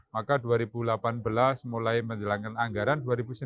maka dua ribu delapan belas mulai menjalankan anggaran